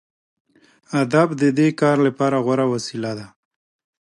ادب د دې کار لپاره غوره وسیله ده.